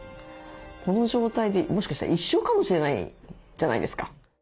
この状態でもしかしたら一生かもしれないじゃないですか。